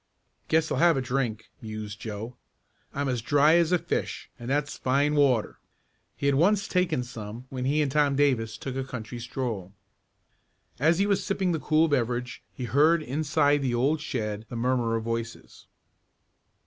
"Guess I'll have a drink," mused Joe. "I'm as dry as a fish and that's fine water." He had once taken some when he and Tom Davis took a country stroll. As he was sipping the cool beverage he heard inside the old shed the murmur of voices.